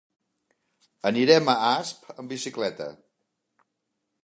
Anirem a Asp amb bicicleta.